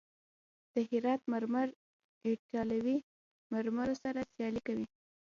د هرات مرمر ایټالوي مرمرو سره سیالي کوي.